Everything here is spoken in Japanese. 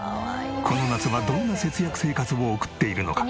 この夏はどんな節約生活を送っているのか？